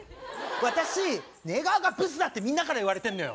私寝顔がブスだってみんなから言われてんのよ。